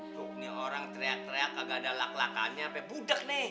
tuh nih orang teriak teriak kagak ada lak lakanya sampe budek nih